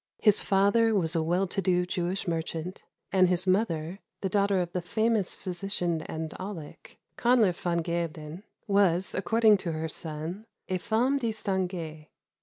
His father was a well to do Jewish merchant; and his mother, the daughter of the famous physician and Aulic Counlor Von Geldern, was, according to her son, a "femme distinguée."